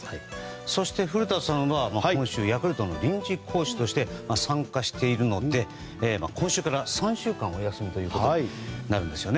そして古田さんは今週、ヤクルトの臨時コーチとして参加しているので今週から３週間お休みとなるんですよね。